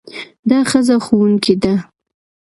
دا ښځه ښوونکې ده.